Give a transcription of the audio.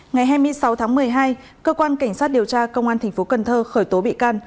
ngày hai mươi sáu tháng một mươi hai cơ quan cảnh sát điều tra công an tp cn khởi tố bị can